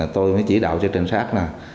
tôi mới chỉ đạo cho trinh sát là